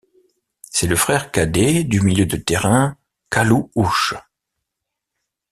C'est le frère cadet du milieu de terrain Kalu Uche.